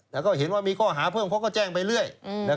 แต่ก็เห็นว่ามีข้อหาเพิ่มเขาก็แจ้งไปเรื่อย